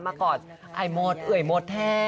มากรอบเก๋หมดเอ๋ยหมดแทน